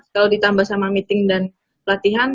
kalau ditambah sama meeting dan latihan